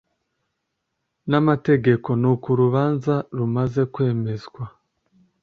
n'amategeko, nuko urubanza rumaze kwemezwa,